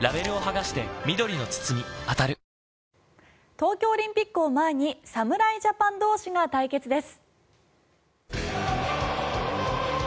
東京オリンピックを前に侍ジャパン同士が対決です。